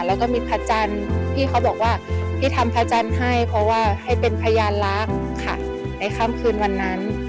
แล้วก็มีพระจันทร์พี่เขาบอกว่าพี่ทำพระจันทร์ให้เพราะว่าให้เป็นพยานลักษณ์ค่ะในค่ำคืนวันนั้น